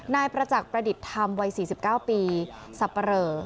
นายประจักษ์ประดิษฐ์ธรรมวัย๔๙ปีสับปะเรอ